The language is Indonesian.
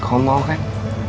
kau mau kan